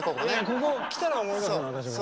ここ来たら思い出すの私も。